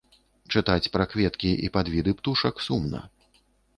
Чытаць пра кветкі і падвіды птушак сумна.